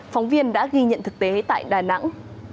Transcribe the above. phóng viên đã ghi nhận thực tế tại đà nẵng